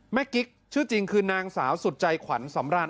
กิ๊กชื่อจริงคือนางสาวสุดใจขวัญสำราญ